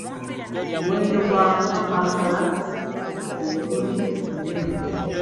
Omuwendo gwa bakkansala gye guli omunene.